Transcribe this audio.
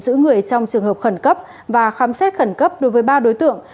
giữ người trong trường hợp khẩn cấp và khám xét khẩn cấp đối với ba đối tượng